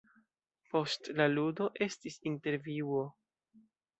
Post la ludo estis intervjuo.